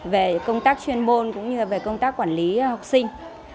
về công tác chuyên môn cũng như về công tác quản lý học sinh